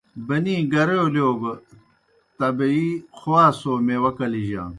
بنی گَرَولِیؤ گہ طبی خواصو میواہ کلِجانوْ۔